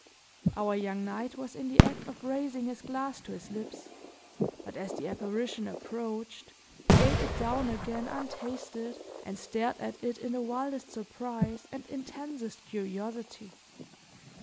Our young knight was in the act of raising his glass to his lips; but as the apparition approached, he laid it down again, untasted, and stared at it in the wildest surprise and intensest curiosity.